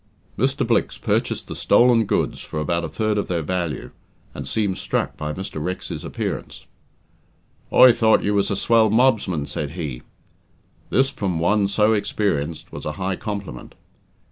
Mr. Blicks purchased the stolen goods for about a third of their value, and seemed struck by Mr. Rex's appearance. "I thort you was a swell mobsman," said he. This, from one so experienced, was a high compliment.